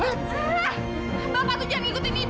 bapak tuh jangan ngikutin ibu dong